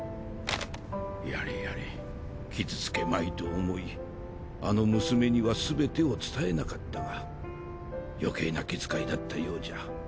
やれやれ傷つけまいと思いあの娘にはすべてを伝えなかったが余計な気遣いだったようじゃ。